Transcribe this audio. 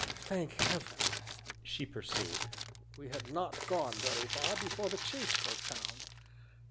"Thank Heaven," she pursued, "we had not gone very far before the chaise broke down!